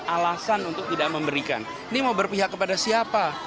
alasan untuk tidak memberikan ini mau berpihak kepada siapa